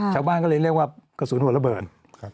ชาวบ้านก็เลยเรียกว่ากระสุนหัวระเบิดครับ